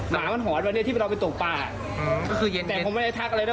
หมามันหอนวันนี้ที่เราไปตกป่าก็คือเย็นแต่ผมไม่ได้ทักอะไรนะ